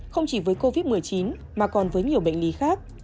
không chỉ với covid một mươi chín mà còn với nhiều bệnh lý khác